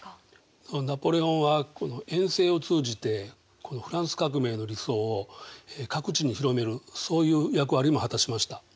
ナポレオンは遠征を通じてフランス革命の理想を各地に広めるそういう役割も果たしました。